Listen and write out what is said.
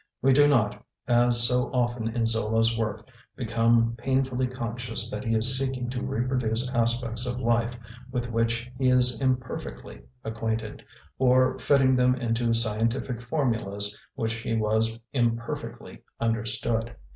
We do not, as so often in Zola's work, become painfully conscious that he is seeking to reproduce aspects of life with which he is imperfectly acquainted, or fitting them into scientific formulas which he has imperfectly understood.